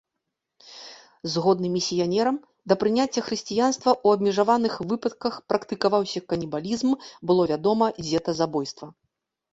Згодна місіянерам, да прыняцця хрысціянства ў абмежаваных выпадках практыкаваўся канібалізм, было вядома дзетазабойства.